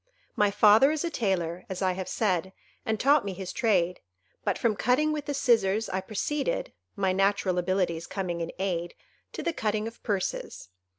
My father is a tailor, as I have said, and taught me his trade; but from cutting with the scissors I proceeded—my natural abilities coming in aid—to the cutting of purses.